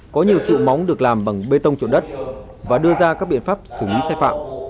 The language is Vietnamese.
có nhiều trụ móng được làm bằng bê tông trụ đất và đưa ra các biện pháp xử lý sai phạm